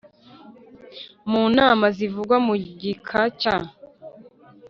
Mu nama zivugwa mu gika cya